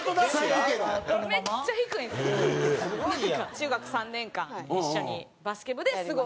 中学３年間一緒にバスケ部で過ごすみたいな。